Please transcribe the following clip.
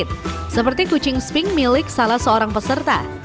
dan juga yang gesit seperti kucing sping milik salah seorang peserta